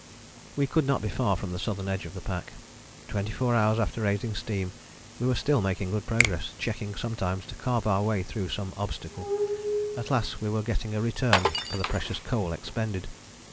" We could not be far from the southern edge of the pack. Twenty four hours after raising steam we were still making good progress, checking sometimes to carve our way through some obstacle. At last we were getting a return for the precious coal expended.